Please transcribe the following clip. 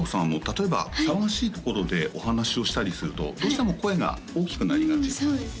例えばはい騒がしいところでお話しをしたりするとどうしても声が大きくなりがちそうですね